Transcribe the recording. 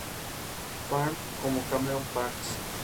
Farm" como Cameron Parks.